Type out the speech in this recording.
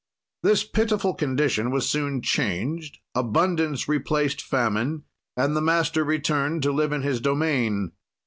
"This pitiful condition was soon changed, abundance replaced famine, and the master returned to live in his domain.